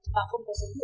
và không có dấu hiệu